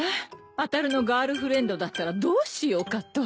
あたるのガールフレンドだったらどうしようかと。